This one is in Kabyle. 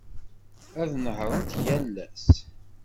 Ad nehhṛent yal ass.